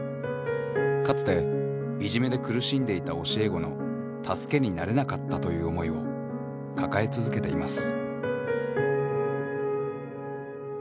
かつていじめで苦しんでいた教え子の助けになれなかったという思いを抱え続けています。